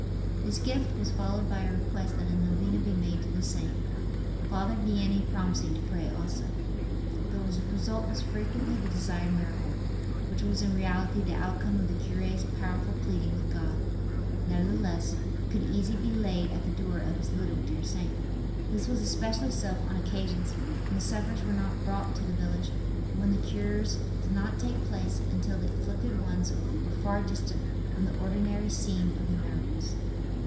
This gift was followed by a request that a novena be made to the saint, Father Vianney promising to pray also. The result was frequently the desired miracle, which was in reality the outcome of the cure's powerful pleading with God. Nevertheless, it could easily be laid at the door of his "dear little saint." This was especially so on occasions when the sufferers were not brought to the village or when the cures did not take place until the afflicted ones were far distant from the ordinary scene of the miracles.